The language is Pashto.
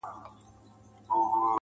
ستا اوس توره کوټه کي تنها شپې تېروي~